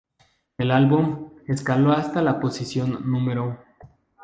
El álbum, escaló hasta la posición No.